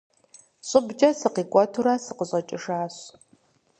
ЩӀыбкӀэ сыкъикӀуэтурэ сыкъыщӀэкӀыжащ.